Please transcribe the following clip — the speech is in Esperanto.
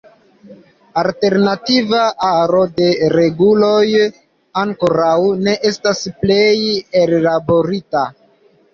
Alternativa aro de reguloj ankoraŭ ne estas plene ellaborita.